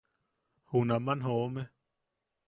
Junaman joome.